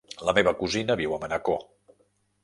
La meva cosina viu a Manacor.